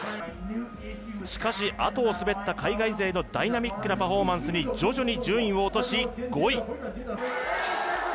しかしあとを滑った海外勢のダイナミックなパフォーマンスに徐々に順位を落とし５位。